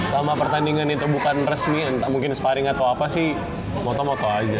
sama pertandingan itu bukan resmi entah mungkin sparring atau apa sih moto moto aja